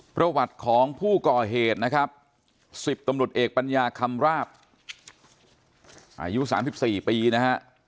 ประวัติของผู้ก่อเหตุนะครับ๑๐ตำรวจเอกปัญญาคำราบอายุ๓๔ปีนะฮะ